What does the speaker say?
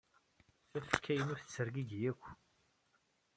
Tafekka-innu tettargigi yakk.